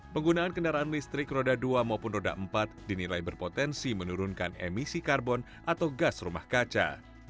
penggunaan kendaraan listrik roda dua maupun roda empat dinilai berpotensi menurunkan emisi karbon atau gas rumah kaca